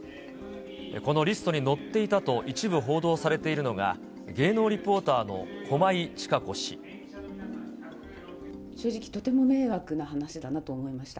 このリストに載っていたと一部報道されているのが、芸能リポータ正直、とても迷惑な話だなと思いました。